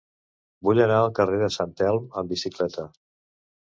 Vull anar al carrer de Sant Elm amb bicicleta.